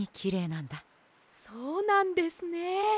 そうなんですね。